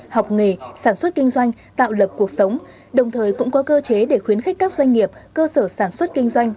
học nghề sản xuất kinh doanh tạo lập cuộc sống đồng thời cũng có cơ chế để khuyến khích các doanh nghiệp cơ sở sản xuất kinh doanh